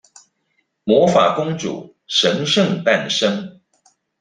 魔法公主神聖誕生